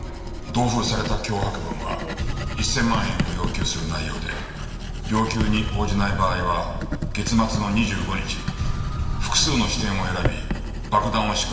同封された脅迫文は１０００万円を要求する内容で要求に応じない場合は月末の２５日複数の支店を選び爆弾を仕掛けると書かれていた。